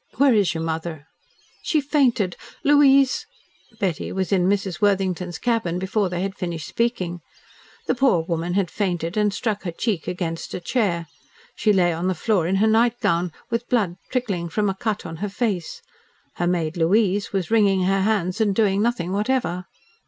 "Where is your mother?" "She fainted Louise " Betty was in Mrs. Worthington's cabin before they had finished speaking. The poor woman had fainted, and struck her cheek against a chair. She lay on the floor in her nightgown, with blood trickling from a cut on her face. Her maid, Louise, was wringing her hands, and doing nothing whatever.